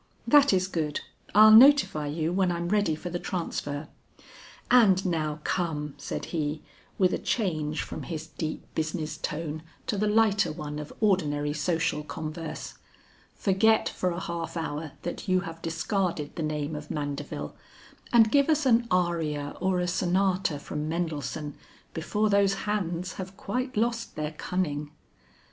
"That is good, I'll notify you when I'm ready for the transfer. And now come," said he, with a change from his deep business tone to the lighter one of ordinary social converse, "forget for a half hour that you have discarded the name of Mandeville, and give us an aria or a sonata from Mendelssohn before those hands have quite lost their cunning."